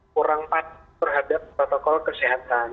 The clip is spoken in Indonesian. kurang patuh terhadap protokol kesehatan